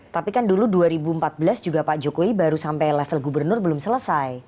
tapi kan dulu dua ribu empat belas juga pak jokowi baru sampai level gubernur belum selesai